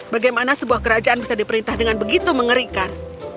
bagaimana sebuah kerajaan bisa diperintah dengan begitu mengerikan